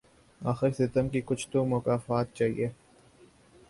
آخر ستم کی کچھ تو مکافات چاہیے